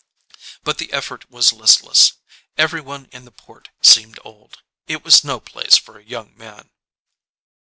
But the effort was listless. Everyone in the port seemed old. It was no place for a young man.